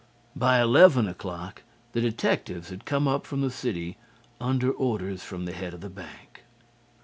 By eleven o'clock the detectives had come up from the city under orders from the head of the bank.